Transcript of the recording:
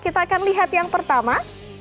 kita akan lihat yang pertama